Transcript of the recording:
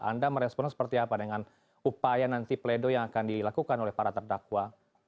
anda merespon seperti apa dengan upaya nanti pledo yang akan dilakukan oleh para terdakwa